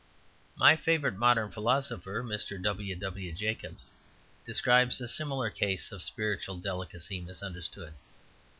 My favourite modern philosopher (Mr. W. W. Jacobs) describes a similar case of spiritual delicacy misunderstood.